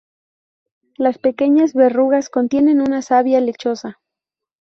Las pequeñas verrugas contienen una savia lechosa.